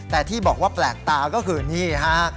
แต่ที่บอกว่าแปลกตาก็คือนี่ฮะ